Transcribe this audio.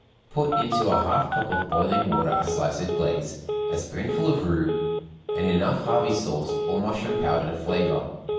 Put into a half cup of boiling water a slice of glaze, a spoonful of roux, and enough Harvey sauce, or mushroom powder, to flavor.